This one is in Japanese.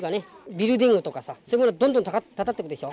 ビルディングとかさそういうものどんどん建ってるでしょ。